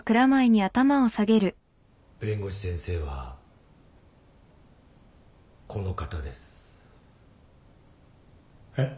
弁護士先生はこの方です。えっ？